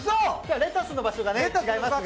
レタスの場所が違いますが。